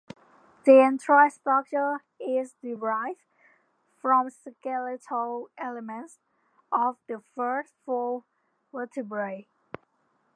The entire structure is derived from skeletal elements of the first four vertebrae.